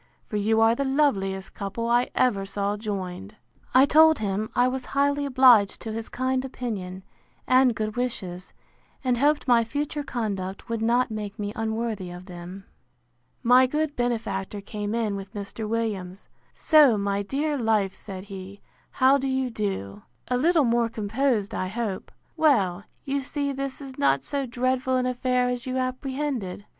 for you are the loveliest couple I ever saw joined. I told him, I was highly obliged to his kind opinion, and good wishes; and hoped my future conduct would not make me unworthy of them. My good benefactor came in with Mr. Williams: So, my dear life, said he, how do you do? A little more composed, I hope. Well, you see this is not so dreadful an affair as you apprehended.